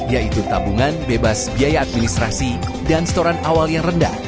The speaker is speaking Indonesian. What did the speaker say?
yaitu tabungan bebas biaya administrasi dan setoran awal yang rendah